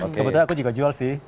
kebetulan aku juga jual sih